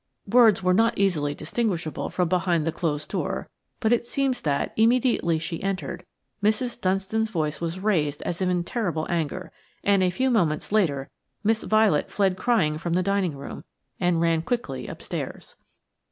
Words were not easily distinguishable from behind the closed door, but it seems that, immediately she entered, Mrs. Dunstan's voice was raised as if in terrible anger, and a few moments later Miss Violet fled crying from the dining room, and ran quickly upstairs.